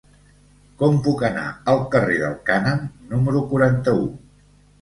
Com puc anar al carrer del Cànem número quaranta-u?